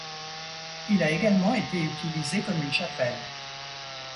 Il a également été utilisé comme une chapelle.